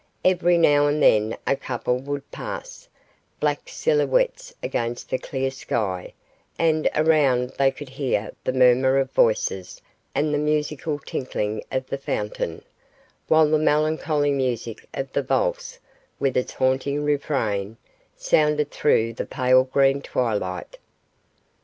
Every now and then a couple would pass, black silhouettes against the clear sky, and around they could hear the murmur of voices and the musical tinkling of the fountain, while the melancholy music of the valse, with its haunting refrain, sounded through the pale green twilight.